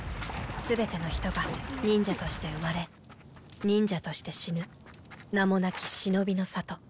全ての人が忍者として生まれ忍者として死ぬ名もなき忍びの里。